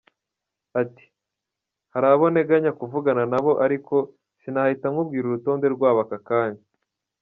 Ati « Hari abo nteganya kuvugana nabo ariko sinahita nkubwira urutonde rwabo aka kanya.